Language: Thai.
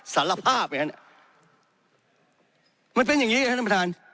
สารภาพไงฮะมันเป็นอย่างนี้ครับท่านประธาน